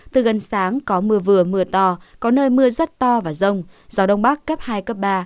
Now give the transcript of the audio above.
trong mưa bắc bộ nhiều mây mưa vừa mưa to có nơi mưa rất to và rồng gió chuyển hướng đông bắc cấp hai cấp ba